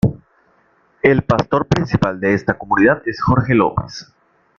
El pastor principal de esta comunidad es Jorge Lopez.